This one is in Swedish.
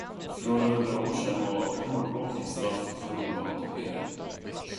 För några hundra år sedan var rådbråkning straffet för olaga kopiering.